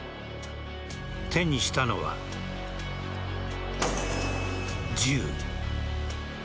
手にしたのは銃。